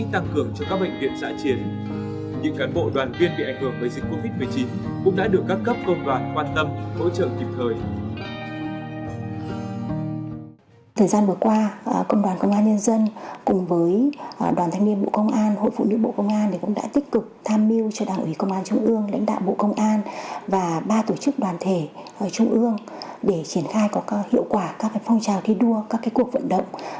thời gian vừa qua công đoàn công an nhân dân cùng với đoàn thanh niên bộ công an hội phụ nữ bộ công an cũng đã tích cực tham mưu cho đảng ủy công an trung ương lãnh đạo bộ công an và ba tổ chức đoàn thể trung ương để triển khai có hiệu quả các phong trào thi đua các cuộc vận động